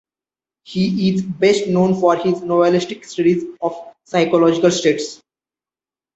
He is best known for his novelistic studies of psychological states.